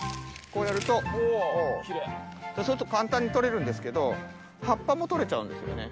そうすると簡単に取れるんですけど葉っぱも取れちゃうんですよね。